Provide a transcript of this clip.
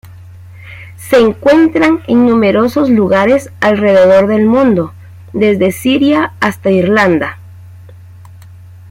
Se encuentran en numerosos lugares alrededor del mundo, desde Siria hasta Irlanda.